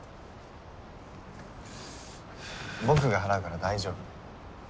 僕が払うから大丈夫。